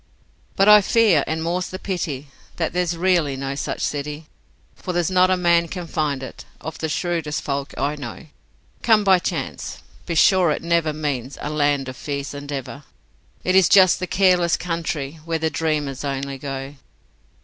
But I fear, and more's the pity, that there's really no such city, For there's not a man can find it of the shrewdest folk I know, 'Come by chance', be sure it never means a land of fierce endeavour, It is just the careless country where the dreamers only go.